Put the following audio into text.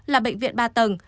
là bệnh viện ba tầng